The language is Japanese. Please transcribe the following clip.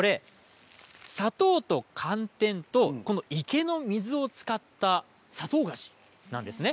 砂糖と寒天と池の水を使った砂糖菓子なんですね。